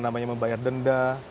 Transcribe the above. namanya membayar denda